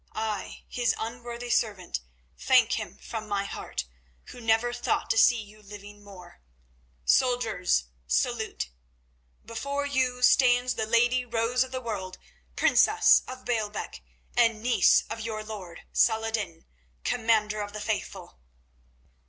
"I, His unworthy servant, thank Him from my heart, who never thought to see you living more. Soldiers, salute. Before you stands the lady Rose of the World, princess of Baalbec and niece of your lord, Salah ed din, Commander of the Faithful."